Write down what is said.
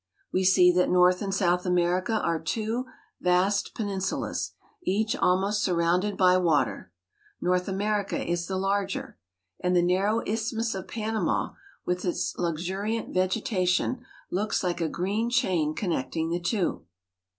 We see that North and South America are two vast peninsulas, each almost surrounded by water. North America is the larger. And the narrow Isthmus of Pan ama, with its luxuriant vegetation, looks like a green chain connecting the two.